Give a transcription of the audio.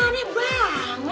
suka aneh aneh banget sih